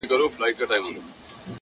پوهه په شریکولو زیاتېږي.!